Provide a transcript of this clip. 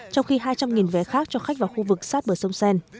trong khi hai trăm linh vé khác cho khách vào khu vực sát bờ sông sen